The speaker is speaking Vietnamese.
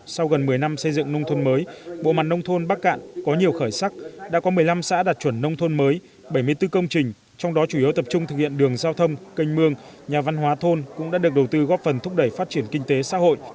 sau gần một mươi năm xây dựng nông thôn mới bộ mặt nông thôn bắc cạn có nhiều khởi sắc đã có một mươi năm xã đạt chuẩn nông thôn mới bảy mươi bốn công trình trong đó chủ yếu tập trung thực hiện đường giao thông canh mương nhà văn hóa thôn cũng đã được đầu tư góp phần thúc đẩy phát triển kinh tế xã hội